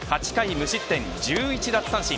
無失点１１奪三振。